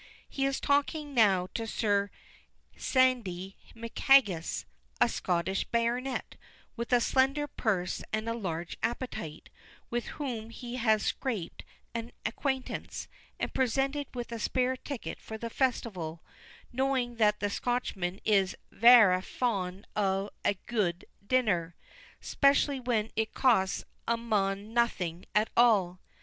He is talking now to Sir Sandy McHaggis, a Scotch baronet, with a slender purse and a large appetite, with whom he has scraped an acquaintance, and presented with a spare ticket for the festival; knowing that the Scotchman is "varra fond o' a gude dinner, specially when it costs a mon nothing at all."